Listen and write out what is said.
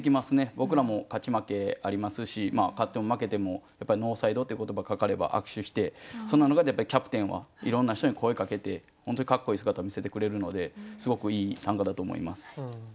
僕らも勝ち負けありますし勝っても負けても「ノーサイド」っていう言葉かかれば握手してそんな中でキャプテンはいろんな人に声かけて本当にかっこいい姿を見せてくれるのですごくいい短歌だと思います。